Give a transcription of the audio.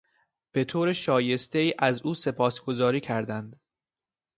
به طور شایستهای از او سپاسگزاری کردند.